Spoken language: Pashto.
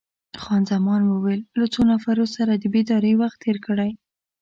خان زمان وویل: له څو نفرو سره د بېدارۍ وخت تیر کړی؟